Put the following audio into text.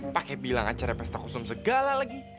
pakai bilang acara pesta kosum segala lagi